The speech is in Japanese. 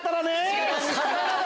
違います。